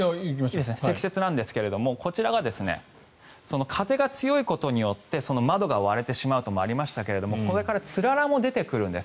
積雪なんですけどもこちらが風が強いことによって窓が割れてしまうなどもありましたがこれからつららも出てくるんです。